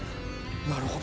なるほど。